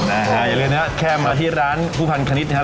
อย่าลืมนะแค่มาที่ร้านผู้พันคณิตนะครับ